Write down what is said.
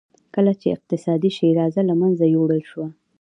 کله چې اقتصادي شیرازه له منځه یووړل شوه.